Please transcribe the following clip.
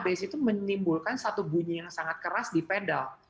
nah abs jalan itu menimbulkan satu bunyi yang sangat keras di pedal